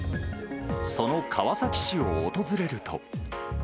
その川崎市を訪れると。